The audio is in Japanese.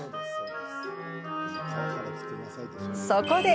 そこで！